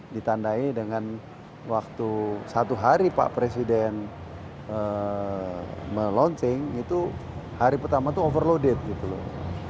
ditandai dengan waktu satu hari pak presiden melonsing itu hari pertama itu overloade gitu loh